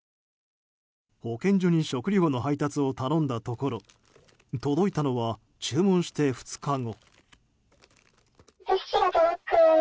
保健所に食料の配達を頼んだところ届いたのは注文して２日後。